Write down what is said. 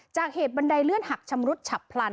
จากเหตุบันไดเลื่อนหักชำรุดฉับพลัน